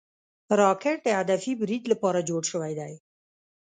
راکټ د هدفي برید لپاره جوړ شوی دی